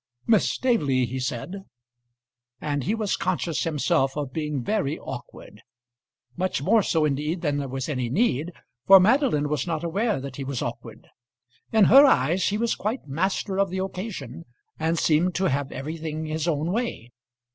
"Miss Staveley," he said; and he was conscious himself of being very awkward. Much more so, indeed, than there was any need, for Madeline was not aware that he was awkward. In her eyes he was quite master of the occasion, and seemed to have everything his own way.